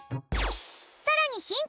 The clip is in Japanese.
さらにヒント！